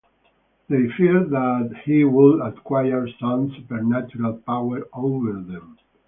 They fear that he would acquire some supernatural power over them.